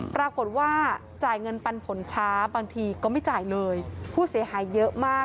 ปรากฏว่าจ่ายเงินปันผลช้าบางทีก็ไม่จ่ายเลยผู้เสียหายเยอะมาก